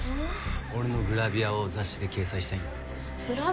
俺のグラビアを雑誌で掲載したいんだって。